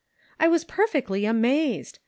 I was perfectly amazed !